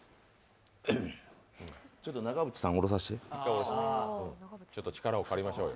ちょっと長渕さんおろさせて。